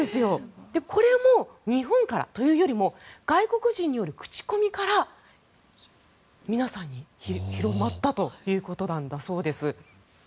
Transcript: これも日本からというよりも外国人による口コミから皆さんに広まったということなんだそうです。